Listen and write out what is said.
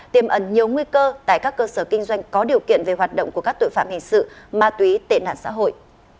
tiềm ẩn nhiều nguy cơ tại các cơ sở kinh doanh có điều kiện về hoạt động của các tội phạm hình sự ma túy tệ nạn xã hội